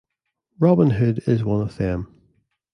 "Robin Hood" is one of them.